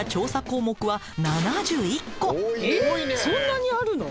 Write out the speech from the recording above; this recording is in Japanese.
そんなにあるの？